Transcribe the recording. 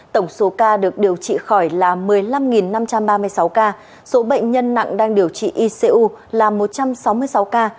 tổng số ca được điều trị khỏi là một mươi năm năm trăm ba mươi sáu ca số bệnh nhân nặng đang điều trị icu là một trăm sáu mươi sáu ca